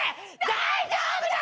大丈夫だ！